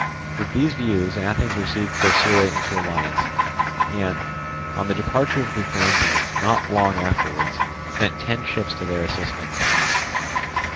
With these views, Athens received Corcyra into alliance and, on the departure of the Corinthians not long afterwards, sent ten ships to their assistance.